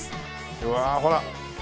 うわあほら。